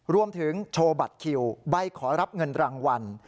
รวมถึงโชว์บัตรคิวใบขอรับเงินรางวัล